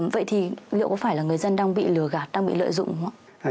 vậy thì liệu có phải là người dân đang bị lừa gạt đang bị lợi dụng đúng không ạ